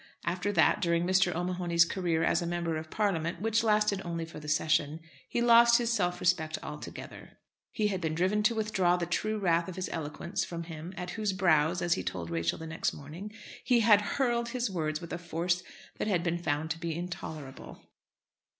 After that, during Mr. O'Mahony's career as a Member of Parliament, which lasted only for the session, he lost his self respect altogether. He had been driven to withdraw the true wrath of his eloquence from him "at whose brow," as he told Rachel the next morning, "he had hurled his words with a force that had been found to be intolerable."